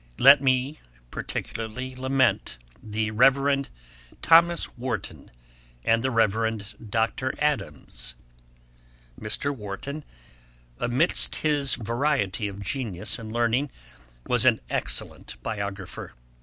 Let me particularly lament the Reverend Thomas Warton, and the Reverend Dr. Adams. Mr. Warton, amidst his variety of genius and learning, was an excellent Biographer.